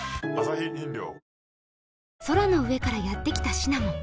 空の上からやってきたシナモン